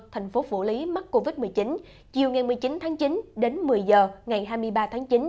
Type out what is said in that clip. thành phố phủ lý mắc covid một mươi chín chiều ngày một mươi chín tháng chín đến một mươi giờ ngày hai mươi ba tháng chín